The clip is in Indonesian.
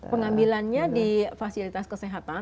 pengambilannya di fasilitas kesehatan